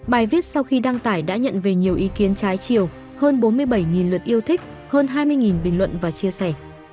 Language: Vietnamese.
bài viết sau khi đăng tải đã nhận về nhiều ý kiến trái chiều hơn bốn mươi bảy lượt yêu thích hơn hai mươi bình luận và chia sẻ